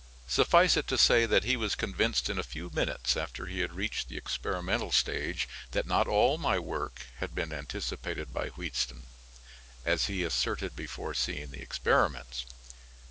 Suffice it to say that he was convinced in a few minutes after he had reached the experimental stage that not all my work had been anticipated by Wheatstone, as he asserted before seeing the experiments.